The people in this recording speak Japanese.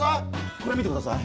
これ見てください